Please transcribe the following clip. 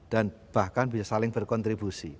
dan bahkan bisa saling berkontribusi